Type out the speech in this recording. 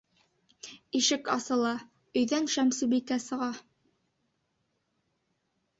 Ишек асыла, өйҙән Шәмсебикә сыға.